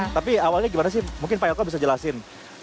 tapi awalnya gimana sih mungkin pak elko bisa jelasin